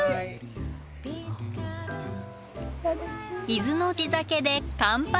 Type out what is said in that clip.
伊豆の地酒で乾杯。